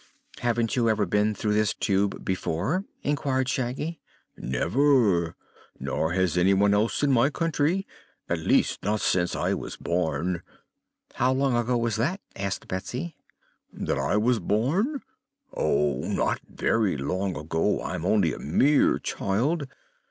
"Haven't you ever been through this Tube before?" inquired Shaggy. "Never. Nor has anyone else in our country; at least, not since I was born." "How long ago was that?" asked Betsy. "That I was born? Oh, not very long ago. I'm only a mere child.